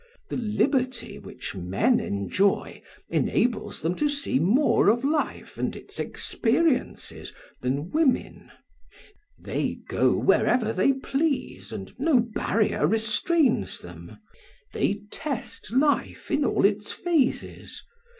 The liberty which men enjoy, enables them to see more of life and its experiences than women; they go wherever they please and no barrier restrains them; they test life in all its phases.